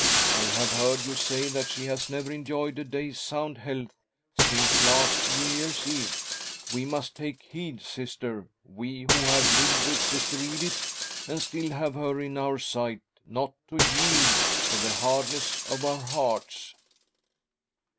I have heard you say that she has never enjoyed a day's sound health since last New Year's Eve. We must take heed, Sister, we who have lived with Sister Edith and still have her in our sight, not to yiejd to the hardness of our hearts."